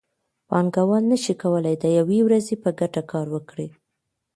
پانګوال نشي کولی د یوې ورځې په ګټه کار وکړي